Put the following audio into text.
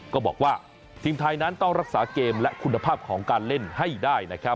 ก็บอกว่าทีมไทยนั้นต้องรักษาเกมและคุณภาพของการเล่นให้ได้นะครับ